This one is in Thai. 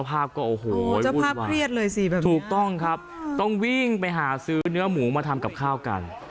ภาพก็โอ้โหบุญว่าถูกต้องครับต้องวิ่งไปหาซื้อเนื้อหมูมาทำกับข้าวกัน